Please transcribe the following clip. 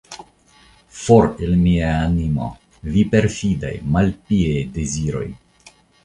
For el mia animo, vi perfidaj, malpiaj, deziroj!